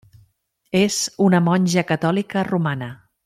És una monja catòlica romana.